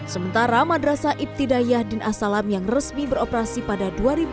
sementara madrasa ibtidaiyah din asalam yang resmi beroperasi pada dua ribu dua puluh tiga